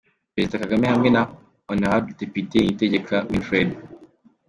Perezida Kagame hamwe na Hon Depite Niyitegeka Winfred.